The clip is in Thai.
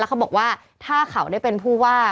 เขาบอกว่าถ้าเขาได้เป็นผู้ว่า